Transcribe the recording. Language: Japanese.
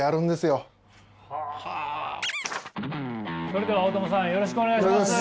それでは大友さんよろしくお願いします。